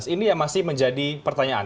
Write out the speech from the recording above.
ini yang masih menjadi pertanyaan